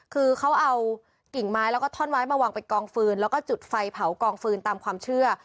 คือเขาเอากิ่งไม้แล้วก็ท่อนไม้มาวางเป็นกองฟืนแล้วก็จุดไฟเผากองฟืนตามความเชื่อ